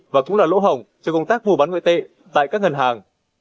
và cũng là lỗ hỏng cho công tác mua bán ngoại tệ tại các ngân hàng